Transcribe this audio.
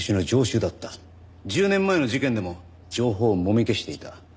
１０年前の事件でも情報をもみ消していた。